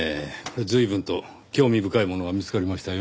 随分と興味深いものが見つかりましたよ。